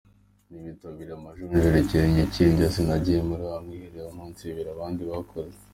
Nitabiriye amajonjora ikirenge kindya, sinanagiye muri wa mwiherero w’iminsi ibiri abandi bakoze.